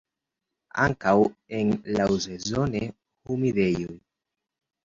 Ankaŭ en laŭsezone humidejoj.